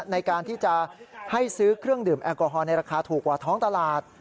ในการที่จะให้ซื้อเครื่องดื่มแอลกอฮอลในราคาถูกกว่าท้องตลาด